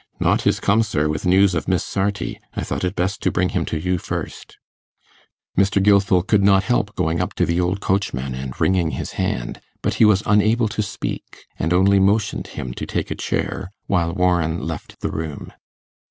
'Knott is come, sir, with news of Miss Sarti. I thought it best to bring him to you first.' Mr. Gilfil could not help going up to the old coachman and wringing his hand; but he was unable to speak, and only motioned to him to take a chair, while Warren left the room.